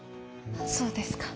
そうですか。